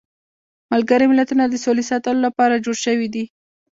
ملګري ملتونه د سولې ساتلو لپاره جوړ شویدي.